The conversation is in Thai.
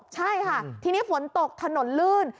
ใช่ค่ะทีนี้ฝนตกถนนลื่น